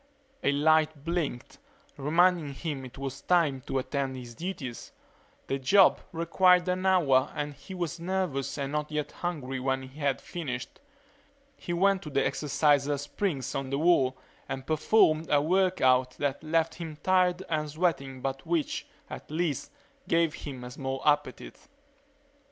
A light blinked, reminding him it was time to attend to his duties. The job required an hour and he was nervous and not yet hungry when he had finished. He went to the exerciser springs on the wall and performed a work out that left him tired and sweating but which, at least, gave him a small appetite.